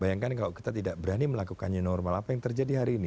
bayangkan kalau kita tidak berani melakukan new normal apa yang terjadi hari ini